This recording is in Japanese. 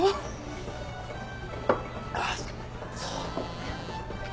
あっそう。